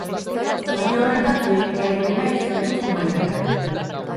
Maila horretan lehen garaipena izan du zumaiarrak.